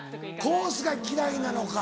コースが嫌いなのか？